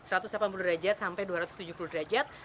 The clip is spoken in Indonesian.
satu ratus delapan puluh derajat sampai dua ratus tujuh puluh derajat